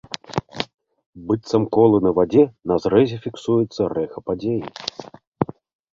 Быццам колы на вадзе, на зрэзе фіксуецца рэха падзеі.